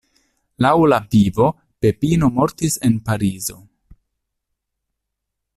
Laŭ la "Vivo", Pepino mortis en Parizo.